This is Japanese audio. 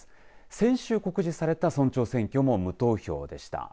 先週、告示された村長選挙も無投票でした。